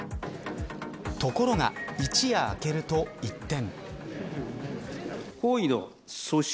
ところが、一夜明けると一転。